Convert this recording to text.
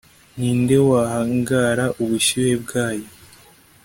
ni nde wahangara ubushyuhe bwaryo